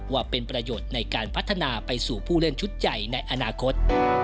ว่าเป็นประโยชน์ในการพัฒนาไปสู่ผู้เล่นชุดใหญ่ในอนาคต